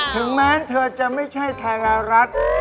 ถึงแม้เธอจะไม่ใช่ไทยรัฐ